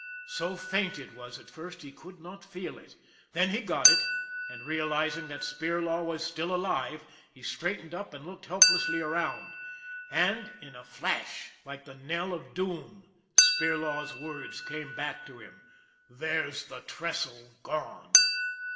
So faint it was at first he could not feel it, then he got it, and, realizing that Spirlaw was still alive he straightened up and looked helplessly around and, in a flash, like the knell of doom, Spirlaw's words came back to him :" There's the trestle gone!